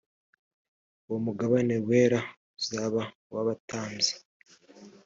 uwo mugabane wera uzaba uw abatambyi